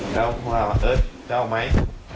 แล้วผมถามว่าเอิร์ทจะออกไหม